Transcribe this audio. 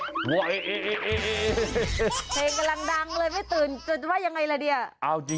เพลงกำลังดังเลยไม่ตื่นจะว่ายังไงล่ะเนี่ย